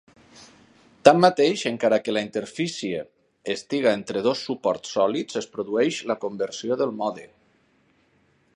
Tanmateix, encara que la interfície estigui entre dos suports sòlids, es produeix la conversió del mode.